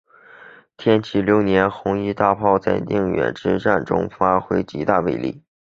天启六年红夷大炮在宁远之战中发挥极大威力。